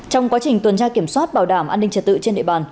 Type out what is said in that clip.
trong quá trình tuần tra kiểm soát bảo đảm an ninh trật tự trên địa bàn